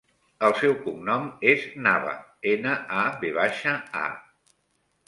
El seu cognom és Nava: ena, a, ve baixa, a.